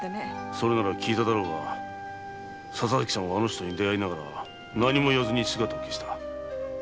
それなら聞いただろうが笹崎さんはあの人に出会いながら何も言わずに姿を消した。